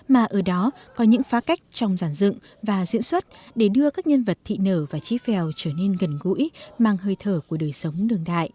mà ở đó có những phá cách trong giản dựng và diễn xuất để đưa các nhân vật thị nở và trí phèo trở nên gần gũi mang hơi thở của đời sống đường đại